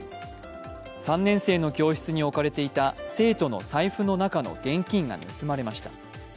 ３年生の教室に置かれていた生徒の財布の中の現金が盗まれました。